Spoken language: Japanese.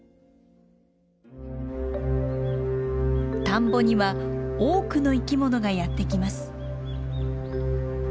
田んぼには多くの生きものがやって来ます。